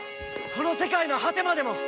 この世界の果てまでも！